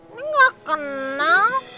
neng gak kenal